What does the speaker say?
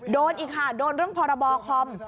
โดนอีกค่ะโดนเรื่องพรบคอม